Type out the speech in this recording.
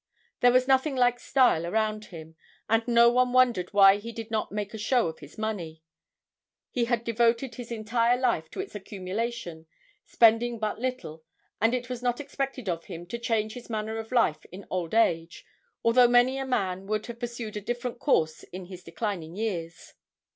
There was nothing like style around him, and no one wondered why he did not make a show of his money. He had devoted his entire life to its accumulation, spending but little and it was not expected of him to change his manner of life in old age, although many a man would have pursued a different course in his declining years.